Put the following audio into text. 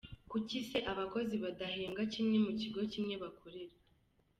kuki se abakozi badahembwa kimwe mu kigo kimwe bakorera.